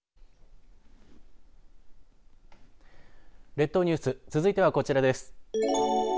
列島ニュース続いてはこちらです。